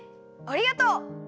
ありがとう。